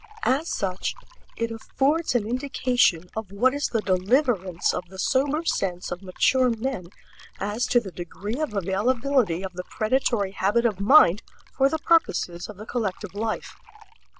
As such it affords an indication of what is the deliverance of the sober sense of mature men as to the degree of availability of the predatory habit of mind for the purposes of the collective life.